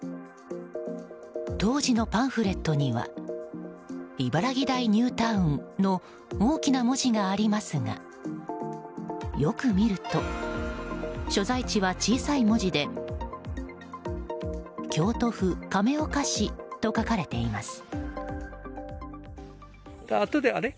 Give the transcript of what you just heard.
当時のパンフレットには茨木台ニュータウンの大きな文字がありますがよく見ると所在地は小さい文字で京都府亀岡市と書かれています。